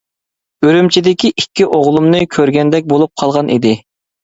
ئۈرۈمچىدىكى ئىككى ئوغلۇمنى كۆرگەندەك بولۇپ قالغان ئىدى.